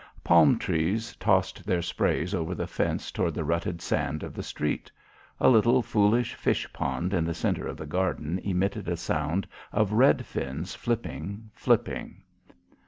Palm trees tossed their sprays over the fence toward the rutted sand of the street. A little foolish fish pond in the centre of the garden emitted a sound of red fins flipping, flipping.